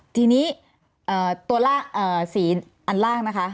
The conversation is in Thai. ทีนี้ตัวสีอันล่างนะคะ